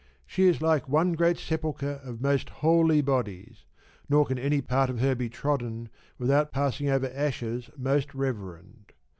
She is like one great sepulchre of most holy bodies, nor can any part of her be trodden without passing over ashes most reverend.